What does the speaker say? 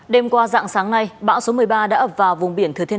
đêm qua dạng sáng nay bão số một mươi ba đã ập vào vùng biển thừa thiên